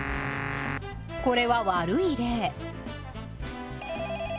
これは悪い例。